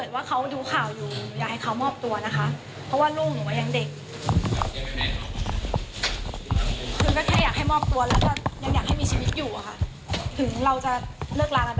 ว่าเค้ารับทราบว่าหนูเคยเป็นสามีภรรยากัน